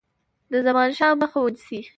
د زمانشاه مخه ونیسي.